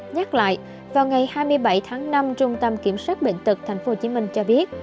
nhắc lại vào ngày hai mươi bảy tháng năm trung tâm kiểm soát bệnh tật tp hcm cho biết